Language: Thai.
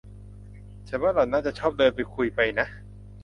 ฉันว่าหล่อนน่าจะชอบเดินไปคุยไปนะ